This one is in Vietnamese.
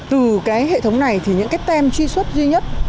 từ hệ thống này thì những tem truy xuất duy nhất